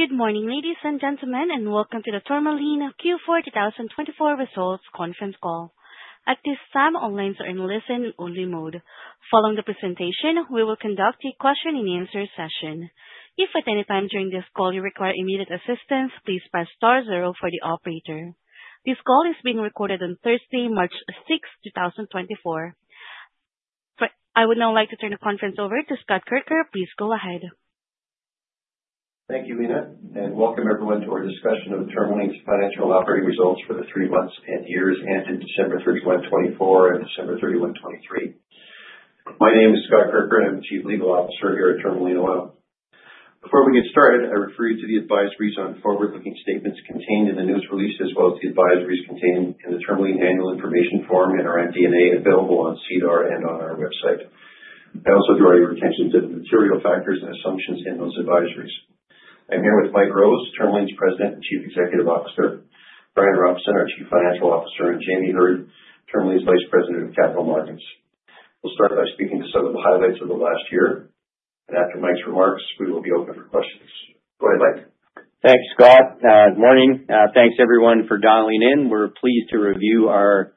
Good morning, ladies and gentlemen, and welcome to the Tourmaline Q4 2024 Results Conference Call. At this time, all lines are in listen-only mode. Following the presentation, we will conduct a question-and-answer session. If at any time during this call you require immediate assistance, please press star zero for the operator. This call is being recorded on Thursday, March 6, 2024. I would now like to turn the conference over to Scott Kirker. Please go ahead. Thank you, Mina, and welcome everyone to our discussion of Tourmaline’s Financial Operating Results for the three months and years ending December 31, 2024, and December 31, 2023. My name is Scott Kirker, and I'm the Chief Legal Officer here at Tourmaline Oil. Before we get started, I refer you to the advisories on forward-looking statements contained in the news release, as well as the advisories contained in the Tourmaline Annual Information Form and our MD&A available on SEDAR+ and on our website. I also draw your attention to the material factors and assumptions in those advisories. I'm here with Mike Rose, Tourmaline’s President and Chief Executive Officer, Brian Robinson, our Chief Financial Officer, and Jamie Heard, Tourmaline’s Vice President of Capital Markets. We'll start by speaking to some of the highlights of the last year, and after Mike's remarks, we will be open for questions. Go ahead, Mike. Thanks, Scott. Good morning. Thanks, everyone, for dialing in. We're pleased to review our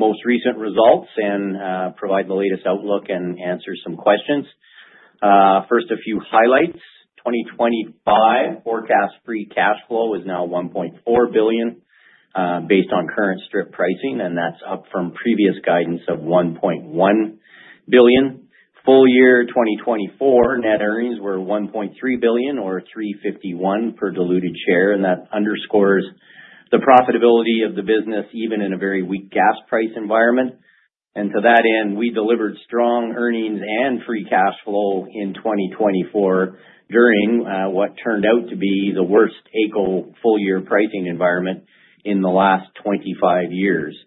most recent results and provide the latest outlook and answer some questions. First, a few highlights. 2025 forecast free cash flow is now 1.4 billion based on current strip pricing, and that's up from previous guidance of 1.1 billion. Full year 2024 net earnings were 1.3 billion, or 3.51 per diluted share, and that underscores the profitability of the business, even in a very weak gas price environment, and to that end, we delivered strong earnings and free cash flow in 2024 during what turned out to be the worst AECO full-year pricing environment in the last 25 years.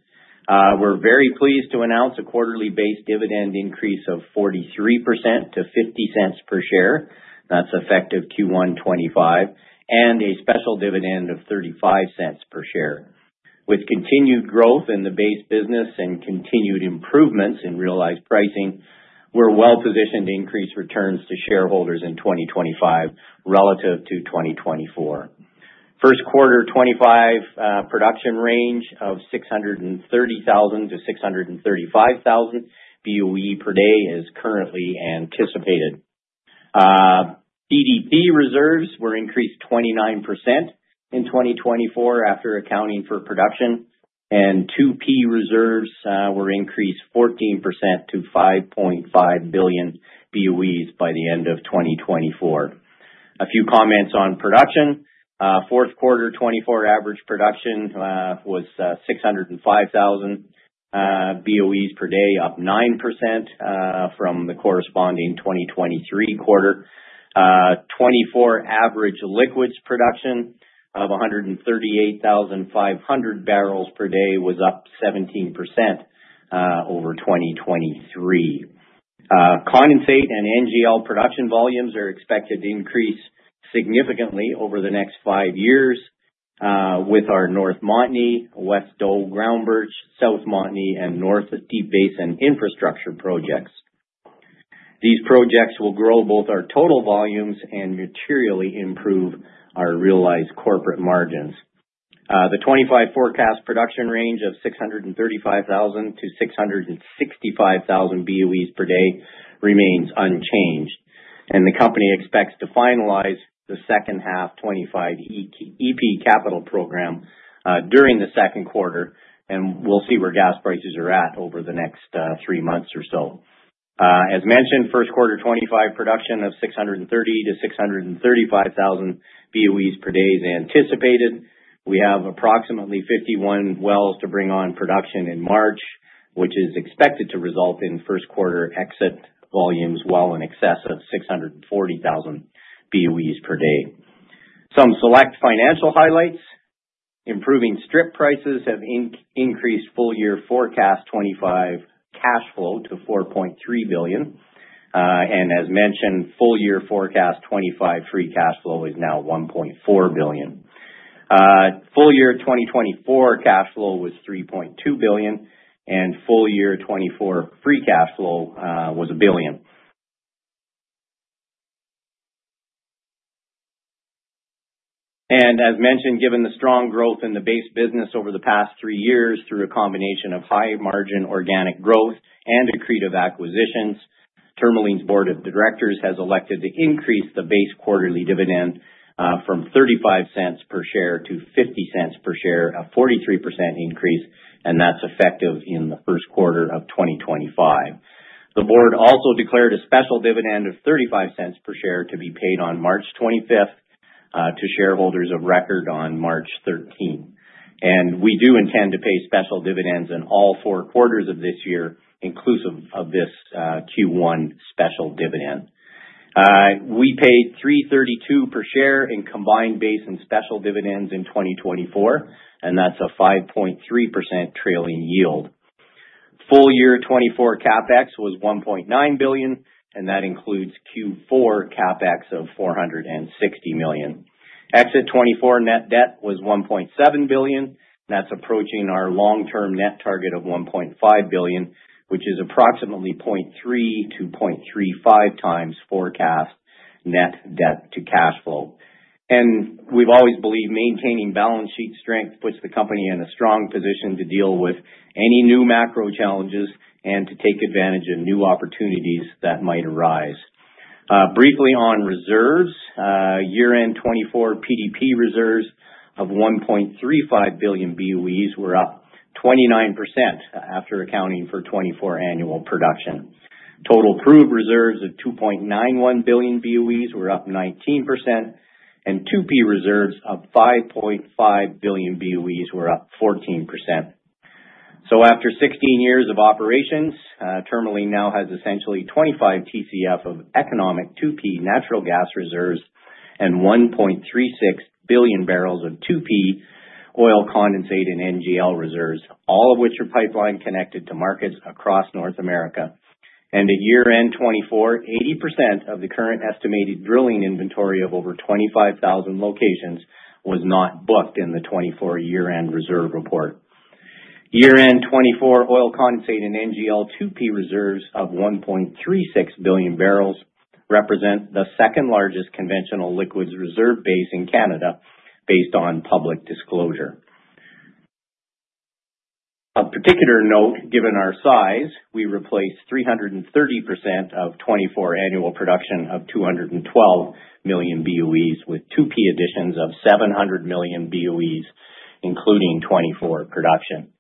We're very pleased to announce a quarterly base dividend increase of 43% to 0.50 per share. That's effective Q1 2025, and a special dividend of 0.35 per share. With continued growth in the base business and continued improvements in realized pricing, we're well positioned to increase returns to shareholders in 2025 relative to 2024. First quarter 2025 production range of 630,000-635,000 BOE per day is currently anticipated. PDP reserves were increased 29% in 2024 after accounting for production, and 2P reserves were increased 14% to 5.5 billion BOEs by the end of 2024. A few comments on production. Fourth quarter 2024 average production was 605,000 BOEs per day, up 9% from the corresponding 2023 quarter. 2024 average liquids production of 138,500 barrels per day was up 17% over 2023. Condensate and NGL production volumes are expected to increase significantly over the next five years with our North Montney, West Doe, Ground Birch, South Montney, and North Deep Basin Infrastructure projects. These projects will grow both our total volumes and materially improve our realized corporate margins. The 2025 forecast production range of 635,000-665,000 BOEs per day remains unchanged, and the company expects to finalize the second half 2025 EP capital program during the second quarter, and we'll see where gas prices are at over the next three months or so. As mentioned, first quarter 2025 production of 630,000-635,000 BOEs per day is anticipated. We have approximately 51 wells to bring on production in March, which is expected to result in first quarter exit volumes well in excess of 640,000 BOEs per day. Some select financial highlights. Improving strip prices have increased full-year forecast 2025 cash flow to 4.3 billion, and as mentioned, full-year forecast 2025 free cash flow is now 1.4 billion. Full year 2024 cash flow was 3.2 billion, and full year 2024 free cash flow was 1 billion. As mentioned, given the strong growth in the base business over the past three years through a combination of high-margin organic growth and accretive acquisitions, Tourmaline's Board of Directors has elected to increase the base quarterly dividend from 0.35 per share to 0.50 per share, a 43% increase, and that's effective in the first quarter of 2025. The board also declared a special dividend of 0.35 per share to be paid on March 25th to shareholders of record on March 13th. We do intend to pay special dividends in all four quarters of this year, inclusive of this Q1 special dividend. We paid 3.32 per share in combined base and special dividends in 2024, and that's a 5.3% trailing yield. Full year 2024 CapEx was CAD 1.9 billion, and that includes Q4 CapEx of CAD 460 million. Exit 2024 net debt was 1.7 billion, and that's approaching our long-term net target of 1.5 billion, which is approximately 0.3 to 0.35 times forecast net debt to cash flow. And we've always believed maintaining balance sheet strength puts the company in a strong position to deal with any new macro challenges and to take advantage of new opportunities that might arise. Briefly on reserves, year-end 2024 PDP reserves of 1.35 billion BOEs were up 29% after accounting for 2024 annual production. Total proved reserves of 2.91 billion BOEs were up 19%, and 2P reserves of 5.5 billion BOEs were up 14%. So after 16 years of operations, Tourmaline now has essentially 25 TCF of economic 2P natural gas reserves and 1.36 billion barrels of 2P oil condensate and NGL reserves, all of which are pipeline connected to markets across North America. At year-end 2024, 80% of the current estimated drilling inventory of over 25,000 locations was not booked in the 2024 year-end reserve report. Year-end 2024 oil condensate and NGL 2P reserves of 1.36 billion barrels represent the second largest conventional liquids reserve base in Canada based on public disclosure. Of particular note, given our size, we replaced 330% of 2024 annual production of 212 million BOEs with 2P additions of 700 million BOEs, including 2024 production.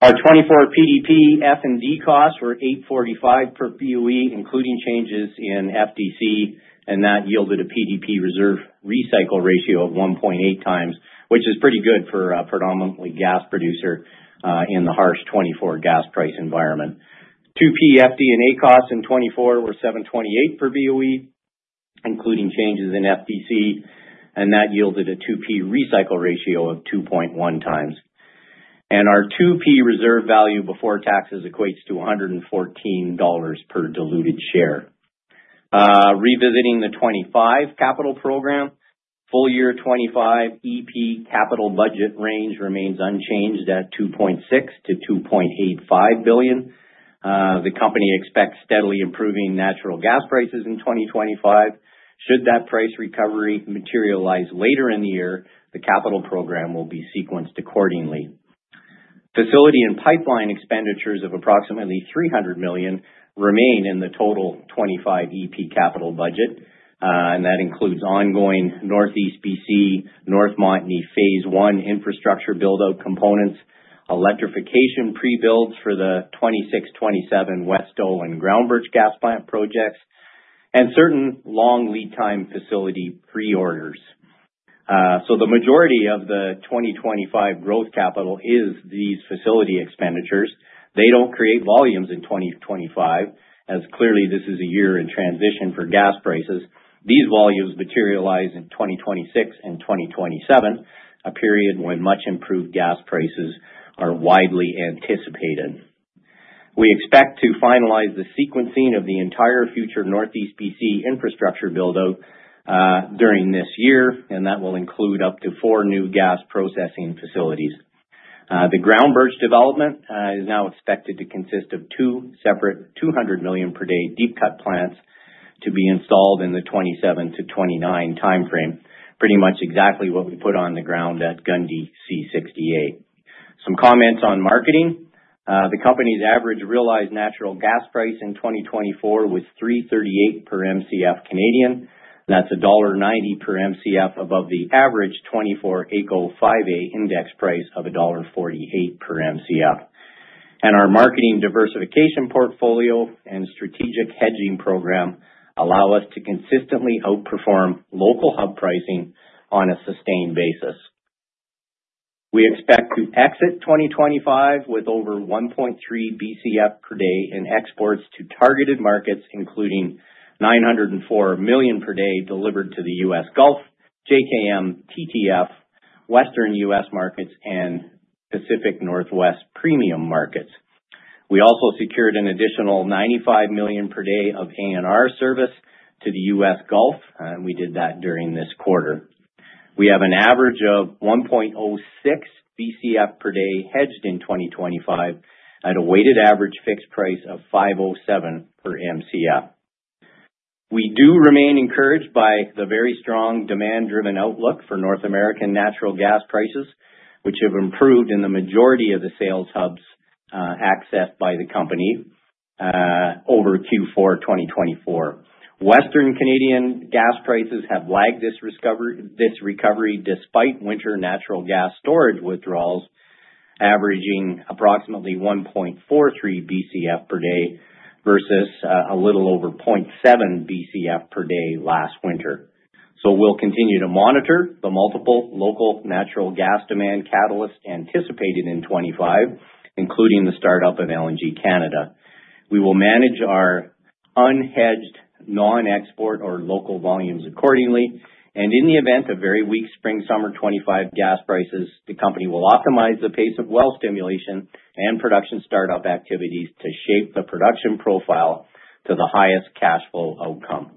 Our 2024 PDP F&D costs were 8.45 per BOE, including changes in FDC, and that yielded a PDP reserve recycle ratio of 1.8 times, which is pretty good for a predominantly gas producer in the harsh 2024 gas price environment. 2P FD&A costs in 2024 were 7.28 per BOE, including changes in FDC, and that yielded a 2P recycle ratio of 2.1 times. Our 2P reserve value before taxes equates to $114 per diluted share. Revisiting the 2025 capital program, full year 2025 EP capital budget range remains unchanged at $2.6-$2.85 billion. The company expects steadily improving natural gas prices in 2025. Should that price recovery materialize later in the year, the capital program will be sequenced accordingly. Facility and pipeline expenditures of approximately $300 million remain in the total 2025 EP capital budget, and that includes ongoing Northeast BC North Montney Phase One infrastructure build-out components, electrification pre-builds for the 2026, 2027 West Doe and Ground Birch gas plant projects, and certain long lead-time facility pre-orders. The majority of the 2025 growth capital is these facility expenditures. They don't create volumes in 2025, as clearly this is a year in transition for gas prices. These volumes materialize in 2026 and 2027, a period when much improved gas prices are widely anticipated. We expect to finalize the sequencing of the entire future Northeast BC infrastructure build-out during this year, and that will include up to four new gas processing facilities. The Ground Birch Development is now expected to consist of two separate 200 million per day deep cut plants to be installed in the 2027 to 2029 timeframe, pretty much exactly what we put on the ground at Gundy C68. Some comments on marketing. The company's average realized natural gas price in 2024 was 3.38 per MCF Canadian. That's dollar 1.90 per MCF above the average 2024 AECO 5A index price of dollar 1.48 per MCF. And our marketing diversification portfolio and strategic hedging program allow us to consistently outperform local hub pricing on a sustained basis. We expect to exit 2025 with over 1.3 BCF per day in exports to targeted markets, including 904 MMcf per day delivered to the U.S. Gulf, JKM, TTF, Western U.S. markets, and Pacific Northwest premium markets. We also secured an additional 95 MMcf per day of ANR service to the U.S. Gulf, and we did that during this quarter. We have an average of 1.06 BCF per day hedged in 2025 at a weighted average fixed price of $5.07 per MCF. We do remain encouraged by the very strong demand-driven outlook for North American natural gas prices, which have improved in the majority of the sales hubs accessed by the company over Q4 2024. Western Canadian gas prices have lagged this recovery despite winter natural gas storage withdrawals, averaging approximately 1.43 BCF per day versus a little over 0.7 BCF per day last winter. We'll continue to monitor the multiple local natural gas demand catalysts anticipated in 2025, including the startup of LNG Canada. We will manage our unhedged non-export or local volumes accordingly, and in the event of very weak spring-summer 2025 gas prices, the company will optimize the pace of well stimulation and production startup activities to shape the production profile to the highest cash flow outcome.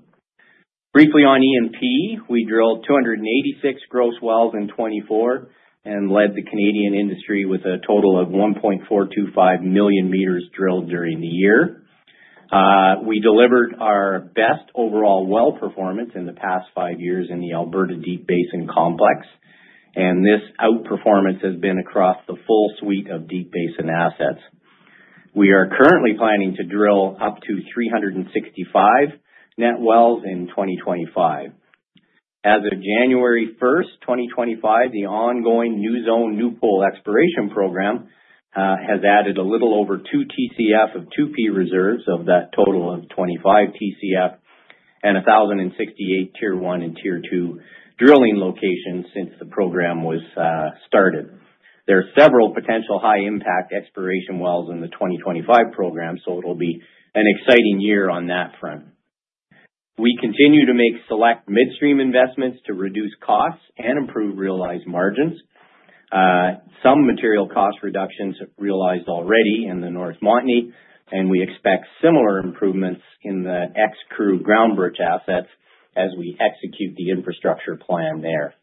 Briefly on E&P, we drilled 286 gross wells in 2024 and led the Canadian industry with a total of 1.425 million meters drilled during the year. We delivered our best overall well performance in the past five years in the Alberta Deep Basin Complex, and this outperformance has been across the full suite of deep basin assets. We are currently planning to drill up to 365 net wells in 2025. As of January 1st, 2025, the ongoing New Zone New Pool Exploration Program has added a little over 2 TCF of 2P reserves of that total of 25 TCF and 1,068 Tier 1 and Tier 2 drilling locations since the program was started. There are several potential high-impact exploration wells in the 2025 program, so it'll be an exciting year on that front. We continue to make select midstream investments to reduce costs and improve realized margins. Some material cost reductions realized already in the North Montney, and we expect similar improvements in the ex-Crew Ground Birch assets as we execute the infrastructure plan there.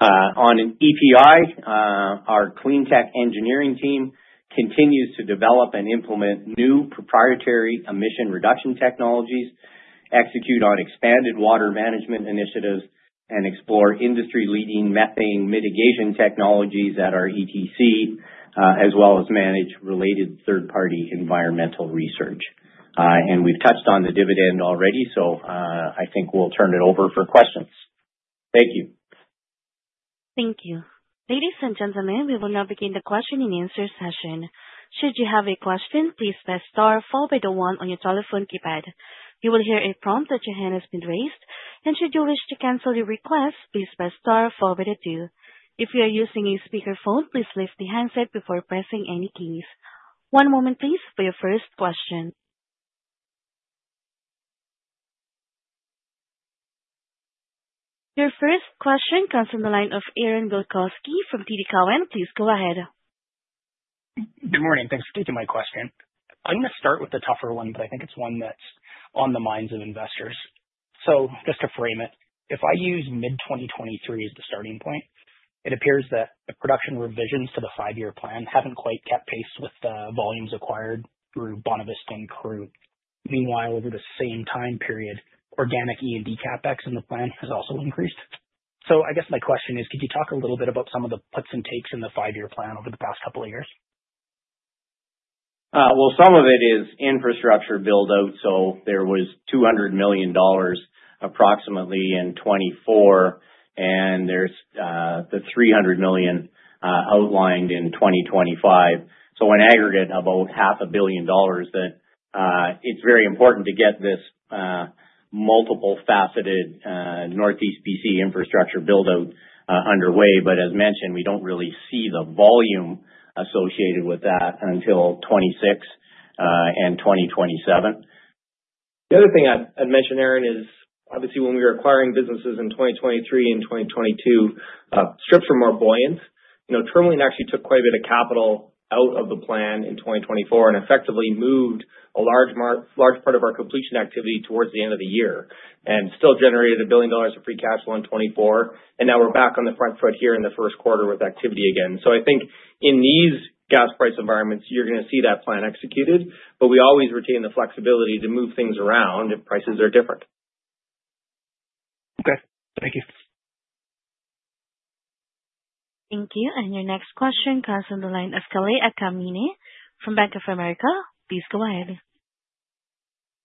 On an EPI, our CleanTech Engineering team continues to develop and implement new proprietary emission reduction technologies, execute on expanded water management initiatives, and explore industry-leading methane mitigation technologies at our ETC, as well as manage related third-party environmental research. And we've touched on the dividend already, so I think we'll turn it over for questions. Thank you. Thank you. Ladies and gentlemen, we will now begin the question and answer session. Should you have a question, please press star followed by the one on your telephone keypad. You will hear a prompt that your hand has been raised, and should you wish to cancel the request, please press star followed by the two. If you are using a speakerphone, please lift the handset before pressing any keys. One moment, please, for your first question. Your first question comes from the line of Aaron Bilkoski from TD Cowen. Please go ahead. Good morning. Thanks for taking my question. I'm going to start with the tougher one, but I think it's one that's on the minds of investors. So just to frame it, if I use mid-2023 as the starting point, it appears that the production revisions to the five-year plan haven't quite kept pace with the volumes acquired through Bonavista and Crew. Meanwhile, over the same time period, organic E&D CapEx in the plan has also increased. So I guess my question is, could you talk a little bit about some of the puts and takes in the five-year plan over the past couple of years? Some of it is infrastructure build-out. So there was approximately CAD 200 million in 2024, and there's 300 million outlined in 2025. So in aggregate, 500 million dollars that it's very important to get this multiple-faceted Northeast BC infrastructure build-out underway. But as mentioned, we don't really see the volume associated with that until 2026 and 2027. The other thing I'd mention, Aaron, is obviously when we were acquiring businesses in 2023 and 2022, strips from our buoyancy. Tourmaline actually took quite a bit of capital out of the plan in 2024 and effectively moved a large part of our completion activity towards the end of the year and still generated 1 billion dollars of free cash flow in 2024, and now we're back on the front foot here in the first quarter with activity again, so I think in these gas price environments, you're going to see that plan executed, but we always retain the flexibility to move things around if prices are different. Okay. Thank you. Thank you. And your next question comes from the line of Kalei Akamine from Bank of America. Please go ahead.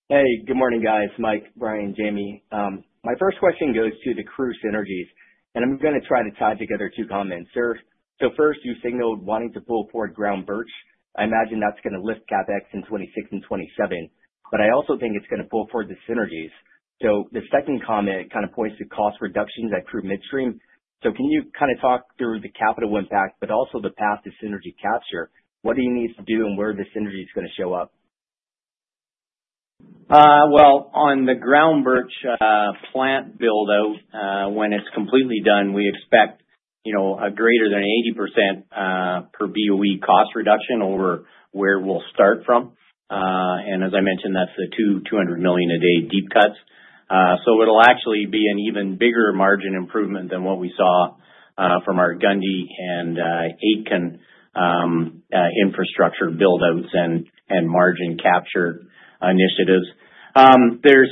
Hey, good morning, guys. Mike, Brian, Jamie. My first question goes to the Crew Synergies, and I'm going to try to tie together two comments. So first, you signaled wanting to pull forward Ground Birch. I imagine that's going to lift CapEx in 2026 and 2027, but I also think it's going to pull forward the synergies. So the second comment kind of points to cost reductions at Crew midstream. So can you kind of talk through the capital impact, but also the path to synergy capture? What do you need to do and where the synergy is going to show up? Well, on the Ground Birch plant build-out, when it's completely done, we expect a greater than 80% per BOE cost reduction over where we'll start from. And as I mentioned, that's the two 200 million a day deep cuts. So it'll actually be an even bigger margin improvement than what we saw from our Gundy and Aitken infrastructure build-outs and margin capture initiatives. There's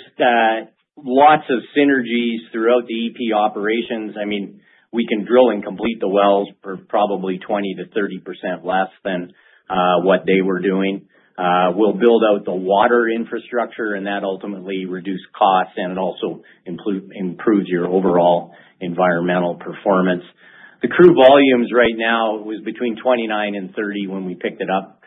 lots of synergies throughout the EP operations. I mean, we can drill and complete the wells for probably 20%-30% less than what they were doing. We'll build out the water infrastructure, and that ultimately reduces costs, and it also improves your overall environmental performance. The crew volumes right now were between 29,000 and 30,000 BOEs a day when we picked it up,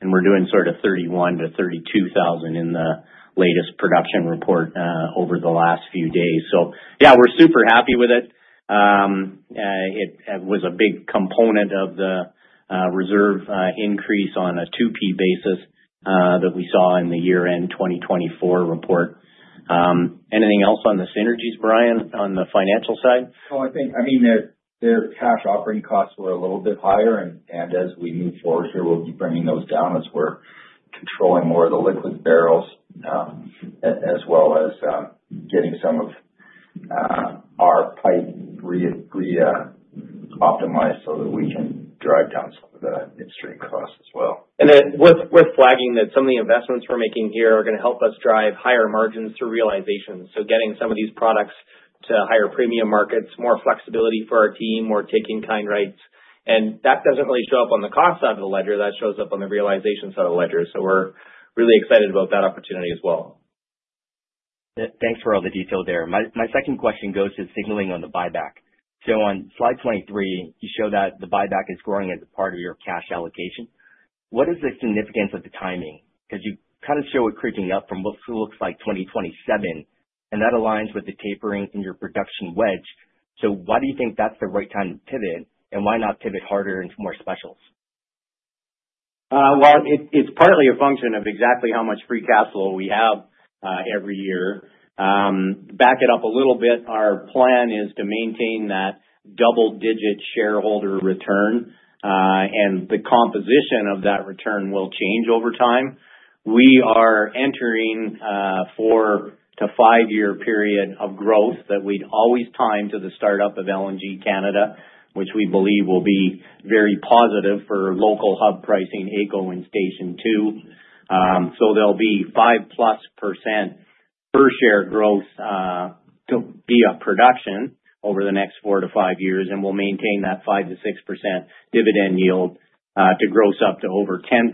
and we're doing sort of 31,000-32,000 in the latest production report over the last few days. So yeah, we're super happy with it. It was a big component of the reserve increase on a 2P basis that we saw in the year-end 2024 report. Anything else on the synergies, Brian, on the financial side? Oh, I think. I mean, their cash operating costs were a little bit higher, and as we move forward here, we'll be bringing those down as we're controlling more of the liquid barrels as well as getting some of our pipe re-optimized so that we can drive down some of the midstream costs as well. And worth flagging that some of the investments we're making here are going to help us drive higher margins through realization so getting some of these products to higher premium markets, more flexibility for our team, more take-in-kind rights, and that doesn't really show up on the cost side of the ledger. That shows up on the realization side of the ledger, so we're really excited about that opportunity as well. Thanks for all the detail there. My second question goes to signaling on the buyback. So on slide 23, you show that the buyback is growing as a part of your cash allocation. What is the significance of the timing? Because you kind of show it creeping up from what looks like 2027, and that aligns with the tapering in your production wedge. So why do you think that's the right time to pivot, and why not pivot harder into more specials? Well, it's partly a function of exactly how much free cash flow we have every year. Back it up a little bit. Our plan is to maintain that double-digit shareholder return, and the composition of that return will change over time. We are entering for the five-year period of growth that we'd always time to the startup of LNG Canada, which we believe will be very positive for local hub pricing, AECO, and Station 2. So there'll be 5% plus per share growth in production over the next four to five years, and we'll maintain that 5-6% dividend yield to gross up to over 10%.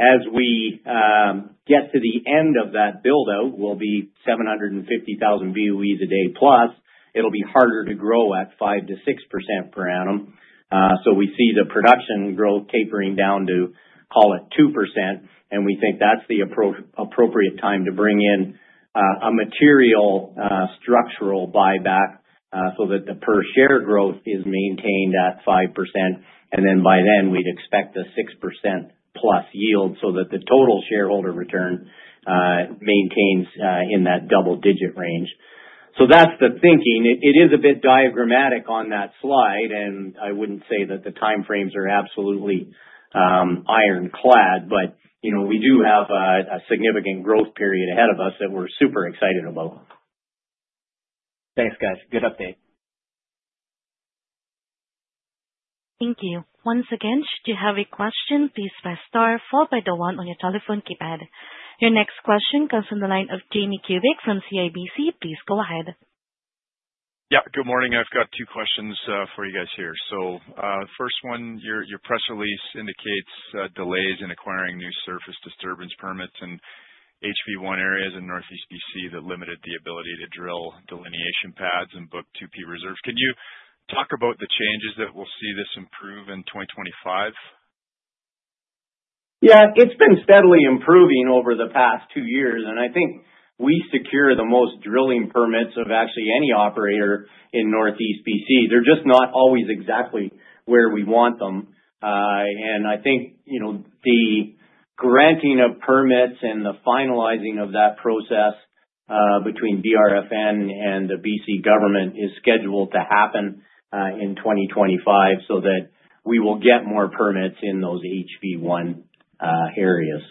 As we get to the end of that build-out, we'll be 750,000 BOEs a day plus. It'll be harder to grow at 5-6% per annum. So we see the production growth tapering down to, call it 2%, and we think that's the appropriate time to bring in a material structural buyback so that the per share growth is maintained at 5%. And then by then, we'd expect the 6% plus yield so that the total shareholder return maintains in that double-digit range. So that's the thinking. It is a bit diagrammatic on that slide, and I wouldn't say that the time frames are absolutely ironclad, but we do have a significant growth period ahead of us that we're super excited about. Thanks, guys. Good update. Thank you. Once again, should you have a question, please press star followed by the one on your telephone keypad. Your next question comes from the line of Jamie Kubik from CIBC. Please go ahead. Yeah. Good morning. I've got two questions for you guys here. So the first one, your press release indicates delays in acquiring new surface disturbance permits in HV1 areas in Northeast BC that limited the ability to drill delineation pads and book 2P reserves. Can you talk about the changes that we'll see this improve in 2025? Yeah. It's been steadily improving over the past two years, and I think we secure the most drilling permits of actually any operator in Northeast BC. They're just not always exactly where we want them, and I think the granting of permits and the finalizing of that process between BRFN and the BC government is scheduled to happen in 2025 so that we will get more permits in those HV1 areas,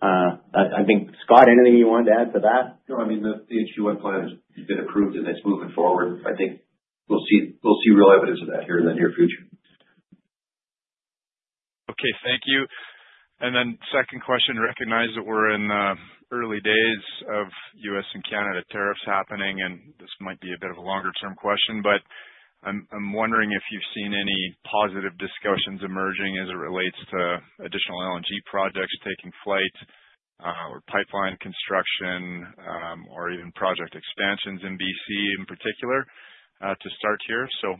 so I think, Scott, anything you wanted to add to that? No, I mean, the HV1 plan has been approved, and it's moving forward. I think we'll see real evidence of that here in the near future. Okay. Thank you. And then, second question. Recognize that we're in the early days of U.S. and Canada tariffs happening, and this might be a bit of a longer-term question, but I'm wondering if you've seen any positive discussions emerging as it relates to additional LNG projects taking flight or pipeline construction or even project expansions in BC in particular to start here, so.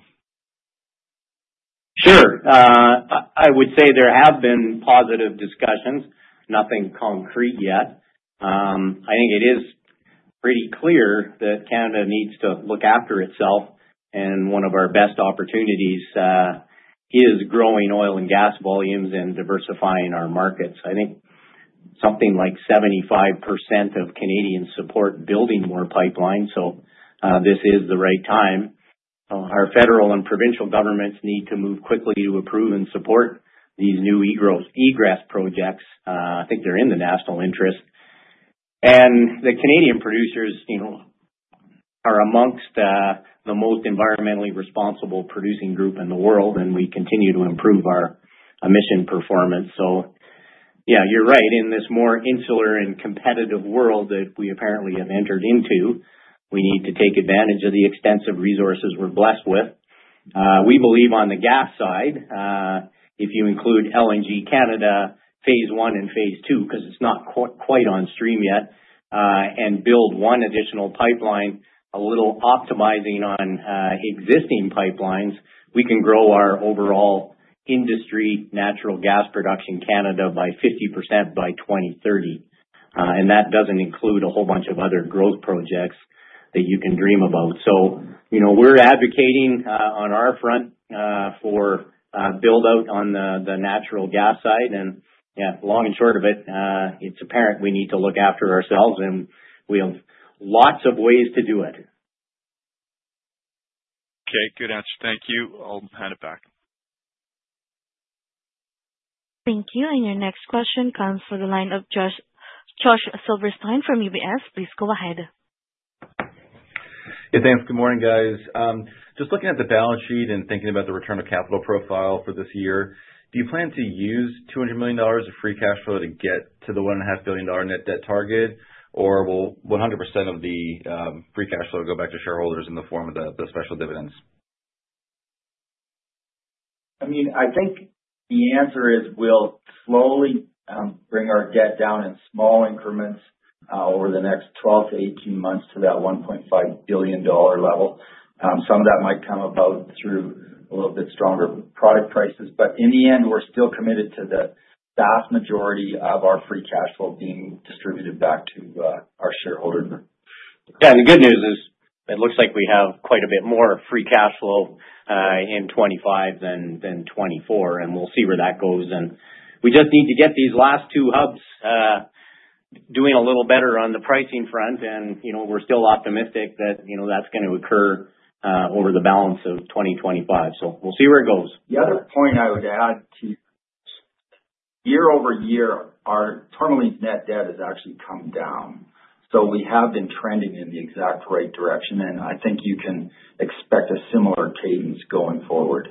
Sure. I would say there have been positive discussions. Nothing concrete yet. I think it is pretty clear that Canada needs to look after itself, and one of our best opportunities is growing oil and gas volumes and diversifying our markets. I think something like 75% of Canadians support building more pipelines, so this is the right time. Our federal and provincial governments need to move quickly to approve and support these new egress projects. I think they're in the national interest. The Canadian producers are among the most environmentally responsible producing group in the world, and we continue to improve our emissions performance. Yeah, you're right. In this more insular and competitive world that we apparently have entered into, we need to take advantage of the extensive resources we're blessed with. We believe on the gas side, if you include LNG Canada phase one and phase two, because it's not quite on stream yet, and build one additional pipeline, a little optimizing on existing pipelines, we can grow our overall industry, natural gas production Canada by 50% by 2030. That doesn't include a whole bunch of other growth projects that you can dream about. We're advocating on our front for build-out on the natural gas side. Yeah, long and short of it, it's apparent we need to look after ourselves, and we have lots of ways to do it. Okay. Good answer. Thank you. I'll hand it back. Thank you. Your next question comes from the line of Josh Silverstein from UBS. Please go ahead. Hey, thanks. Good morning, guys. Just looking at the balance sheet and thinking about the return of capital profile for this year, do you plan to use $200 million of free cash flow to get to the $1.5 billion net debt target, or will 100% of the free cash flow go back to shareholders in the form of the special dividends? I mean, I think the answer is we'll slowly bring our debt down in small increments over the next 12-18 months to that $1.5 billion level. Some of that might come about through a little bit stronger product prices, but in the end, we're still committed to the vast majority of our free cash flow being distributed back to our shareholders. Yeah. The good news is it looks like we have quite a bit more free cash flow in 2025 than 2024, and we'll see where that goes, and we just need to get these last two hubs doing a little better on the pricing front, and we're still optimistic that that's going to occur over the balance of 2025, so we'll see where it goes. The other point I would add to year-over year, our Tourmaline's net debt has actually come down, so we have been trending in the exact right direction, and I think you can expect a similar cadence going forward.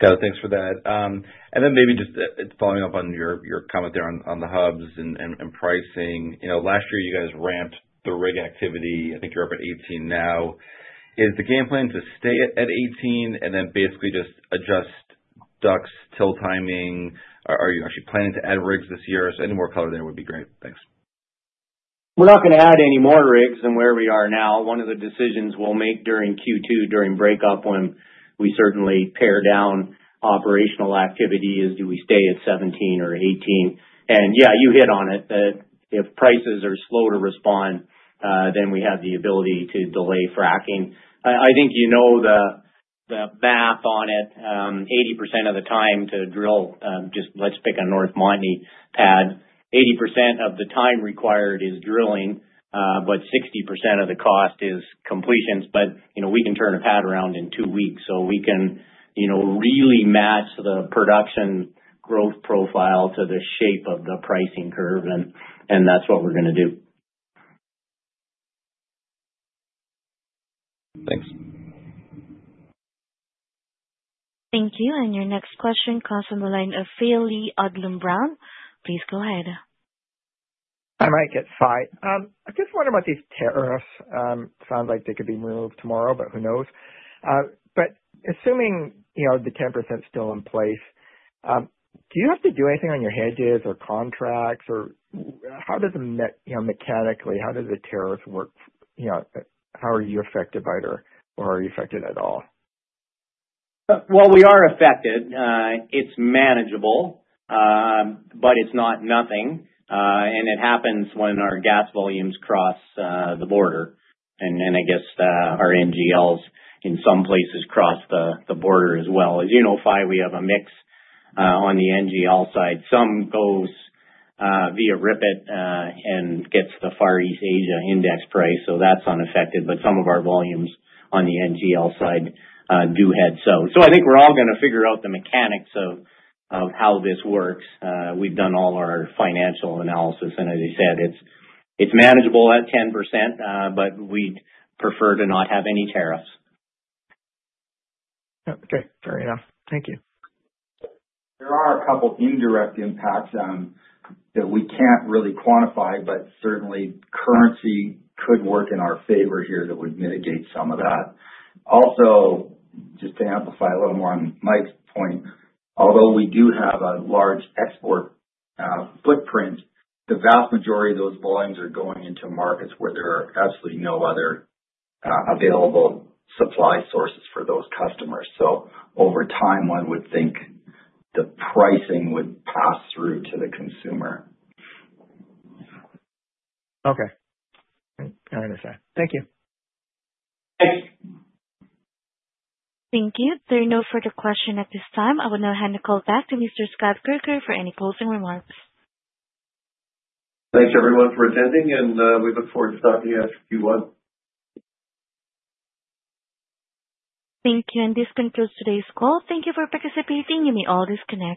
Got it. Thanks for that. And then maybe just following up on your comment there on the hubs and pricing. Last year you guys ramped the rig activity. I think you're up at 18 now. Is the game plan to stay at 18 and then basically just adjust ducks till timing? Are you actually planning to add rigs this year? So any more color there would be great. Thanks. We're not going to add any more rigs than where we are now. One of the decisions we'll make during Q2, during breakup, when we certainly pare down operational activity, is do we stay at 17 or 18? And yeah, you hit on it. If prices are slow to respond, then we have the ability to delay fracking. I think you know the math on it. 80% of the time to drill, just let's pick a North Montney pad, 80% of the time required is drilling, but 60% of the cost is completions. But we can turn a pad around in two weeks, so we can really match the production growth profile to the shape of the pricing curve, and that's what we're going to do. Thanks. Thank you. And your next question comes from the line of Fai Lee of Odlum Brown. Please go ahead. Hi, Mike. It's Fai. I'm just wondering about these tariffs. Sounds like they could be moved tomorrow, but who knows? But assuming the 10% is still in place, do you have to do anything on your hedges or contracts, or how does it mechanically, how does the tariff work? How are you affected by it, or are you affected at all? Well, we are affected. It's manageable, but it's not nothing. It happens when our gas volumes cross the border. I guess our NGLs in some places cross the border as well. As you know, Fai, we have a mix on the NGL side. Some goes via RIPET and gets the Far East Asia index price, so that's unaffected. Some of our volumes on the NGL side do head south. I think we're all going to figure out the mechanics of how this works. We've done all our financial analysis, and as I said, it's manageable at 10%, but we'd prefer to not have any tariffs. Okay. Fair enough. Thank you. There are a couple of indirect impacts that we can't really quantify, but certainly currency could work in our favor here that would mitigate some of that. Also, just to amplify a little more on Mike's point, although we do have a large export footprint, the vast majority of those volumes are going into markets where there are absolutely no other available supply sources for those customers. So over time, one would think the pricing would pass through to the consumer. Okay. I understand. Thank you. Thank you. There are no further questions at this time. I will now hand the call back to Mr. Scott Kirker, for any closing remarks. Thanks, everyone, for attending, and we look forward to talking to you next Q1. Thank you. And this concludes today's call. Thank you for participating. You may all disconnect.